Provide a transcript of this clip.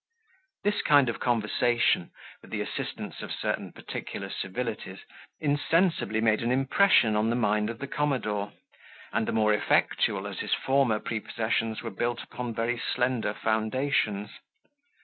This kind of conversation, with the assistance of certain particular civilities, insensibly made an impression on the mind of the commodore, and the more effectual as his former prepossessions were built upon very slender foundations.